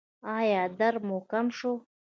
ایا درد مو کم شو؟